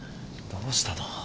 どうしたの？